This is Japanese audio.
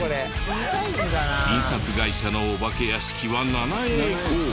印刷会社のお化け屋敷は７英孝。